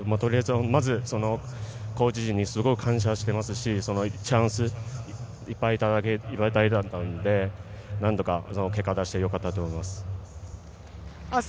まずコーチ陣にすごく感謝していますしそのチャンスをいっぱいいただけたのでなんとか結果を出せてよかったと思います。